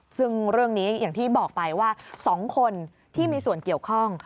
ซึ่งเรื่องนี้อย่างที่บอกไปว่า๒คนที่มีส่วนเกี่ยวข้อง